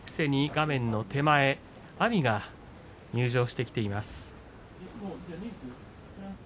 画面の手前阿炎が入場してきています。